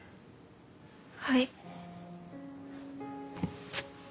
はい。